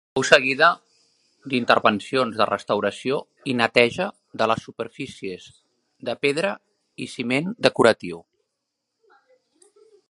Fou seguida d'intervencions de restauració i neteja de les superfícies de pedra i ciment decoratiu.